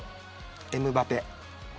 エムバペ。